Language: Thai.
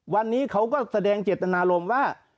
วันนี้เขาก็แสดงเจตนารมณ์ว่า